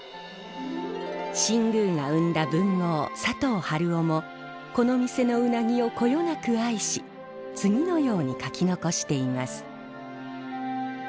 新宮が生んだ文豪佐藤春夫もこの店のうなぎをこよなく愛し次のように書き残しています。